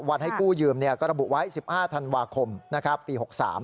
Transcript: ให้กู้ยืมก็ระบุไว้๑๕ธันวาคมปี๖๓